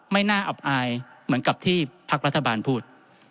ไม่น่าอับอายเหมือนกับที่พักรัฐบาลพูด